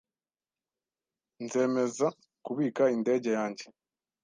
Nzemeza kubika indege yanjye